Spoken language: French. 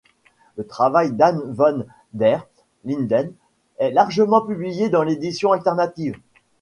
Le travail d'Anne Van der Linden est largement publié dans l'édition alternative.